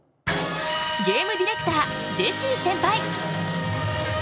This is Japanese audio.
ゲームディレクタージェシーセンパイ！